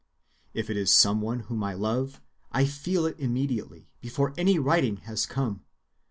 If it is some one whom I love, I feel it immediately, before any writing has come.